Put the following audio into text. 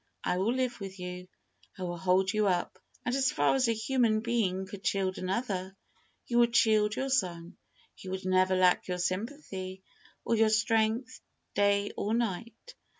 I will live with you; I will hold you up." And, as far as a human being could shield another, you would shield your son; he would never lack your sympathy or your strength day or night.